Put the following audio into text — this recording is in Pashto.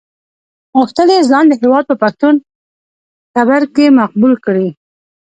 غوښتل یې ځان د هېواد په پښتون ټبر کې مقبول کړي.